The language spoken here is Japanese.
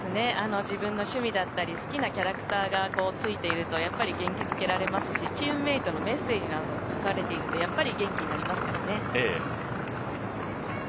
自分の趣味だったり好きなキャラクターがついていると元気づけられますしチームメートのメッセージが書かれているとやっぱり元気になりますからね。